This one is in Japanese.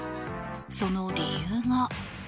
その理由が。